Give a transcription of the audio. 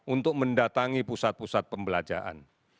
untuk mendatangi pusat pusat pembelajaran